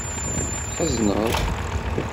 Tḥezneḍ?